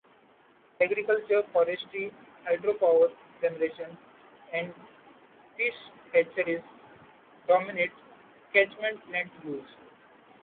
Agriculture, forestry, hydropower generation and fish hatcheries dominate catchment land use.